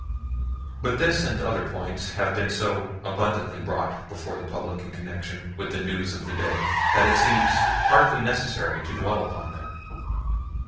But this and other points have been so abundantly brought before the public in connection with the news of the day that it seemed hardly necessary to dwell upon them.